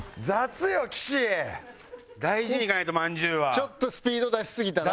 ちょっとスピード出しすぎたな。